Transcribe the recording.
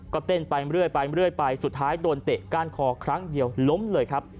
ก็เต้นไปเรื่อยไปสุดท้ายโดนเตะก้านคอครั้งเดียวล้มเลยครับ